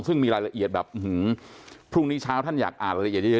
ซึ่งมีรายละเอียดแบบพรุ่งนี้เช้าท่านอยากอ่านรายละเอียดเยอะ